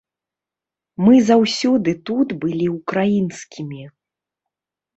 Мы заўсёды тут былі украінскімі.